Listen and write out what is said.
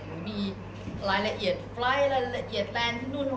หรือมีรายละเอียดไฟล์รายละเอียดแลนด์นู่น